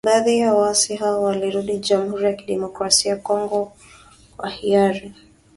Baadhi ya waasi hao walirudi Jamhuri ya kidemokrasia ya Kongo kwa hiari.